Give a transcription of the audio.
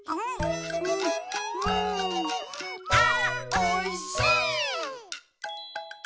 「あーおいしい！」